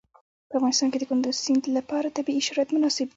په افغانستان کې د کندز سیند لپاره طبیعي شرایط مناسب دي.